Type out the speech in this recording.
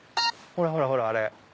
ほらほらほらあれ。